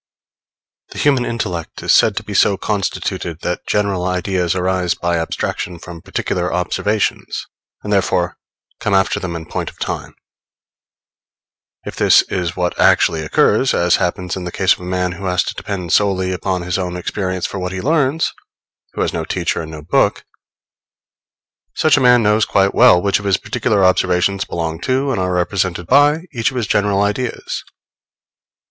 The human intellect is said to be so constituted that general ideas arise by abstraction from particular observations, and therefore come after them in point of time. If this is what actually occurs, as happens in the case of a man who has to depend solely upon his own experience for what he learns who has no teacher and no book, such a man knows quite well which of his particular observations belong to and are represented by each of his general ideas.